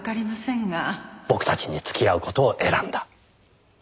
僕たちに付き合う事を選んだ。